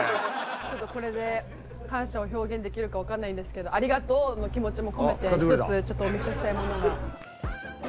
ちょっとこれで感謝を表現できるかわかんないんですけどありがとうの気持ちも込めて１つちょっとお見せしたいものが。